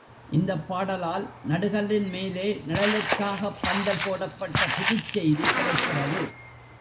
இந்தப் பாடலால், நடுகல்லின் மேலே நிழலுக்காகப் பந்தல் போடப்பட்ட புதுச்செய்தி கிடைக்கிறது.